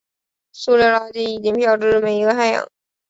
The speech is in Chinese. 塑料垃圾已经飘至每一个海洋。